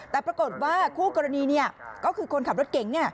แต่ปรากฏว่าคู่กรณีก็คือคนขับรถเก๋ง